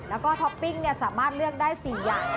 แล้วก็ท็อปปิ้งสามารถเลือกได้๔อย่าง